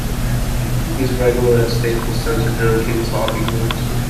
He is a regular at Staples Center during Kings hockey games.